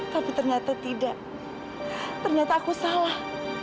tapi ternyata tidak ternyata aku salah